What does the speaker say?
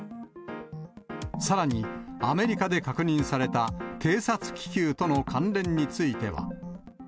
さらに、アメリカで確認された偵察気球との関連については。